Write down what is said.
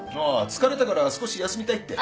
疲れたから少し休みたいって